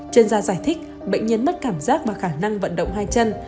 trên ra giải thích bệnh nhân mất cảm giác và khả năng vận động hai chân